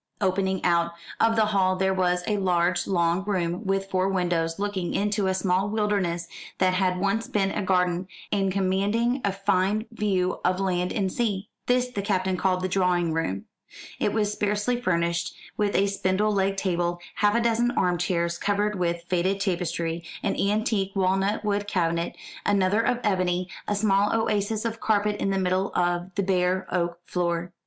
Opening out of the hall there was a large long room with four windows looking into a small wilderness that had once been a garden, and commanding a fine view of land and sea. This the Captain called the drawing room. It was sparsely furnished with a spindle legged table, half a dozen armchairs covered with faded tapestry, an antique walnut wood cabinet, another of ebony, a small oasis of carpet in the middle of the bare oak floor.